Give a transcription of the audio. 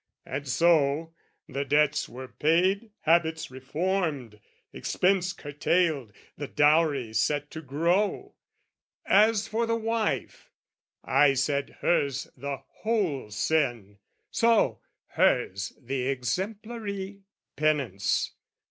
And so, the debts were paid, habits reformed, Expense curtailed, the dowry set to grow. As for the wife, I said, hers the whole sin: So, hers the exemplary penance.